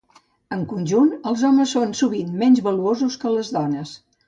En conjunt, els homes són sovint menys valuosos que les dones.